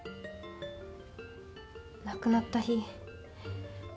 亡くなった日。